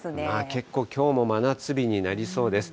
結構、きょうも真夏日になりそうです。